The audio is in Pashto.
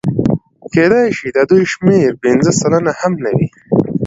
کېدای شي د دوی شمېره پنځه سلنه هم نه وي